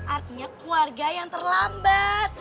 artinya keluarga yang terlambat